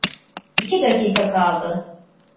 İki dakika kaldı.